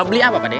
mau beli apa pade